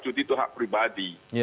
cuti itu hak pribadi